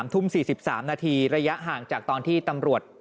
ทุ่ม๔๓นาทีระยะห่างจากตอนที่ตำรวจ